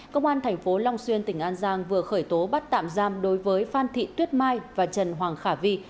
công an tp long xuyên tỉnh an giang vừa khởi tố bắt tạm giam đối với phan thị tuyết mai và trần hoàng khả vi